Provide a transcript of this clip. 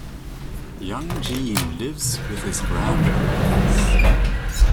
Young Jean lives with his grandparents.